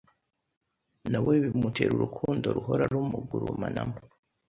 nawe bimutera urukundo ruhora rumugurumanamo